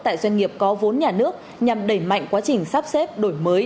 tại doanh nghiệp có vốn nhà nước nhằm đẩy mạnh quá trình sắp xếp đổi mới